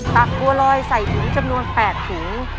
ักบัวลอยใส่ถุงจำนวน๘ถุง